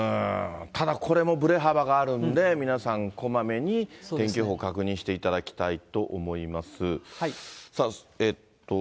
ただこれもぶれ幅があるんで、皆さん、こまめに天気予報確認していただきたいと思います。